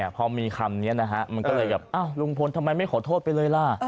พอมีคำนี้นะฮะมันก็เลยแบบอ้าวลุงพลทำไมไม่ขอโทษไปเลยล่ะ